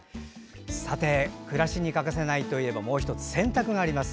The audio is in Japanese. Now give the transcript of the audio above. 暮らしに欠かせないといえばもう１つ、洗濯があります。